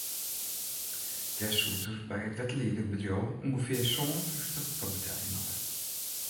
Dêr soed er by it wetterliedingbedriuw ûngefear sân fyftich foar betelje moatte.